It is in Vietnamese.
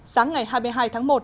sáng ngày hai mươi hai tháng một